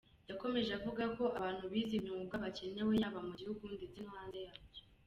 Yakomeje avuga ko abantu bize imyuga bakenewe yaba mu gihugu ndetse no hanze yacyo.